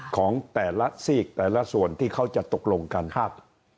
ของแต่ละซีกแต่ละส่วนที่เขาจะตกลงกันครับ